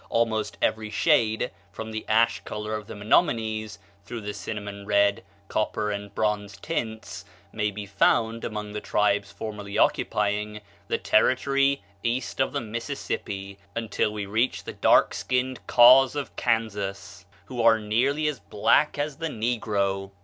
Almost every shade, from the ash color of the Menominees through the cinnamon red, copper, and bronze tints, may be found among the tribes formerly occupying the territory east of the Mississippi, until we reach the dark skinned Kaws of Kansas, who are nearly as black as the negro.